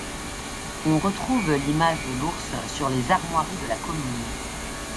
On retrouve l'image de l'ours sur les armoiries de la commune.